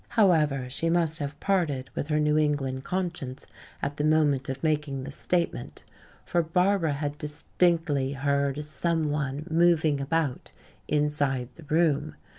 However, she must have parted with her New England conscience at the moment of making this statement. For Barbara had distinctly heard some one moving about inside the room.